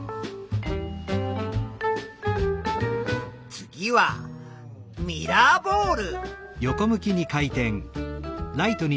次はミラーボール。